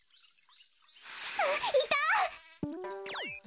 あっいた！